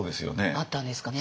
あったんですかね。